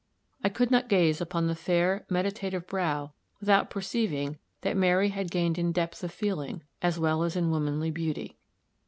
I could not gaze upon the fair, meditative brow without perceiving that Mary had gained in depth of feeling as well as in womanly beauty.